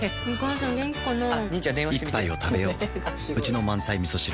一杯をたべよううちの満菜みそ汁